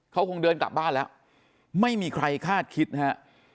เขาคงเดินกลับบ้านแล้วไม่มีใครคาดคิดนะฮะ